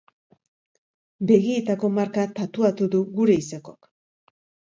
Begietako marka tatuatu du gure izekok.